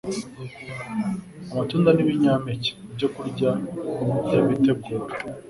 [Amatunda n’ibinyampeke: ibyokurya by’abitegura